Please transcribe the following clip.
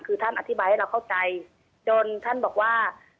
คือท่านอธิบายให้เราเข้าใจจนท่านบอกว่า